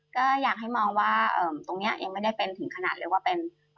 ก็อยากให้มองว่าตรงนี้ยังไม่ได้เป็นถึงขนาดเรียกว่าเป็น